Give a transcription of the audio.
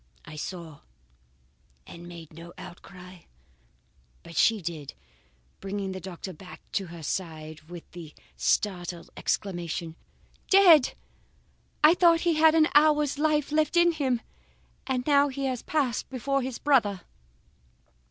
"I saw, and made no outcry, but she did, bringing the doctor back to her side with the startled exclamation: "'Dead? I thought he had an hour's life left in him, and he has passed before his brother.